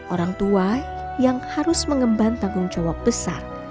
orang tua yang harus mengemban tanggung jawab besar